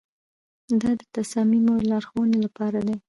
دا د تصامیمو د لارښوونې لپاره دی.